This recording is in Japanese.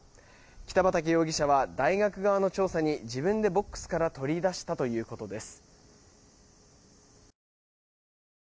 北畠容疑者は大学側の調査に自分でボックスから取り出したということです。